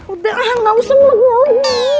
udah ah gausah ngelakuin